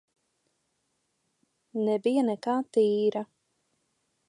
Nebija nekā tīra.